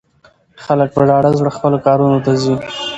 خلک په ډاډه زړه خپلو کارونو ته ځي.